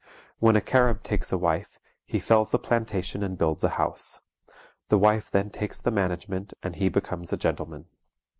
When a Carib takes a wife, he fells a plantation and builds a house; the wife then takes the management, and he becomes a gentleman.